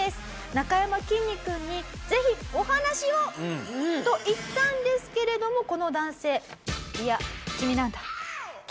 なかやまきんに君にぜひお話を！と言ったんですけれどもこの男性。